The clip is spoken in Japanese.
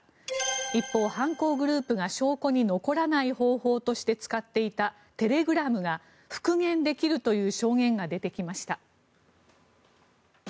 一方、犯行グループが証拠に残らない方法として使っていたテレグラムが、復元できるという証言が出てきました。